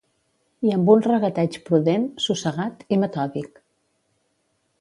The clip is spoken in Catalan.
I amb un regateig prudent, sossegat i metòdic